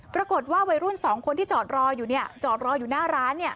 ปรากฏว่าวัยรุ่นสองคนที่จอดรออยู่เนี่ยจอดรออยู่หน้าร้านเนี่ย